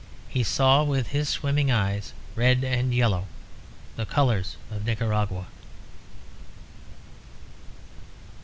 He saw, with his swimming eyes, red and yellow, the colours of Nicaragua.